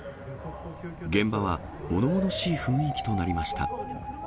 現場はものものしい雰囲気となりました。